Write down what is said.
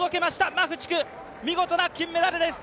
マフチク、見事な金メダルです。